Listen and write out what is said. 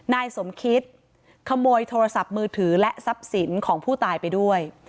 นายสมคิดขโมยโทรศัพท์มือถือและทรัพย์สินของผู้ตายไปด้วย